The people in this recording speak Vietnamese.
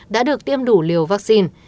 đã được tiêm đủ liều vaccine